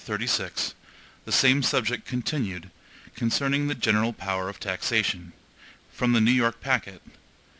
36 The Same Subject Continued (Concerning the General Power of Taxation) From the New York Packet.